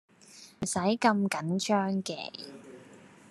唔使咁緊張嘅